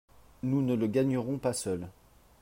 Nous ne le gagnerons pas seuls.